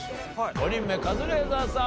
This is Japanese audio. ５人目カズレーザーさん